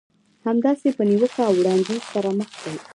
همداسې په نيوکه او وړانديز سره مخ شئ.